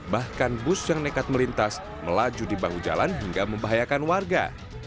bahkan bus yang nekat melintas melaju di bahu jalan hingga membahayakan warga